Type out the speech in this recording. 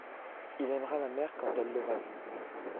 il aimera ma mère quand elle l'aura vue.